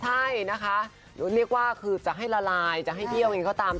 ใช่นะคะหรือเรียกว่าจะให้ละลายจะให้เยี่ยวอย่างงี้ก็ตาม